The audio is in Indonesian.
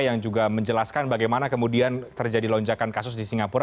yang juga menjelaskan bagaimana kemudian terjadi lonjakan kasus di singapura